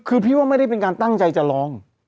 คือพี่ว่าไม่ได้เป็นการตั้งใจจะลอง